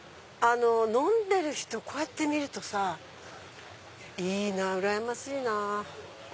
飲んでる人こうやって見るとさいいなぁうらやましいな。